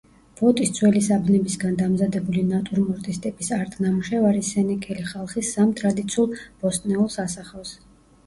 ვოტის ძველი საბნებისგან დამზადებული ნატურმორტის ტიპის არტ ნამუშევარი სენეკელი ხალხის სამ ტრადიცულ ბოსტნეულს ასახავს.